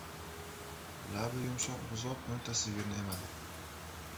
• Labi yumshoq buzoq o‘nta sigirni emadi.